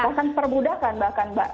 bahkan perbudakan mbak